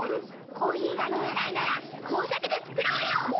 コーヒーがのめないならこうさくでつくろうよ！